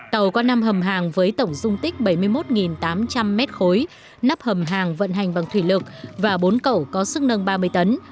tàu có năm hầm hàng với tổng dung tích bảy mươi một tám trăm linh m ba nắp hầm hàng vận hành bằng thủy lực và bốn cẩu có sức nâng ba mươi tấn